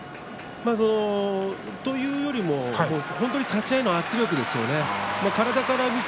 というよりも立ち合いの圧力ですよね。